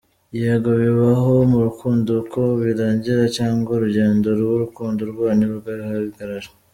Yego, bibaho mu rukundo ko birangira cyangwa urugendo rw’urukundo rwanyu ruhagarara.